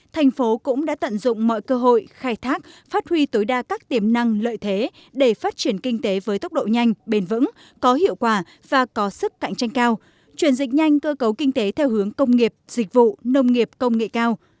thành phố cũng đã tận dụng mọi cơ hội khai thác phát huy tối đa các tiềm năng lợi thế để phát triển kinh tế với tốc độ nhanh bền vững có hiệu quả và có sức cạnh tranh cao chuyển dịch nhanh cơ cấu kinh tế theo hướng công nghiệp dịch vụ nông nghiệp công nghệ cao